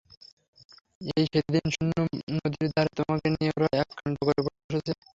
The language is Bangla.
এই সেদিন শুনলুম নদীর ধারে তোমাকে নিয়ে ওরা এক কাণ্ড করে বসেছে!